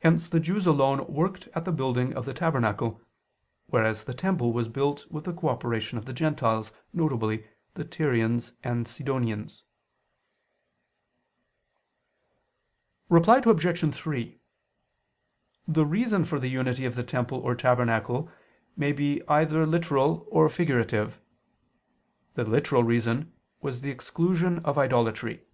Hence the Jews alone worked at the building of the tabernacle; whereas the temple was built with the cooperation of the Gentiles, viz. the Tyrians and Sidonians. Reply Obj. 3: The reason for the unity of the temple or tabernacle may be either literal or figurative. The literal reason was the exclusion of idolatry.